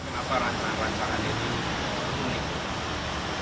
kenapa rancangan rancangan itu unik